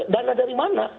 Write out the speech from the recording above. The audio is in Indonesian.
dana dari mana